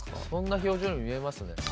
そんな表情に見えますね。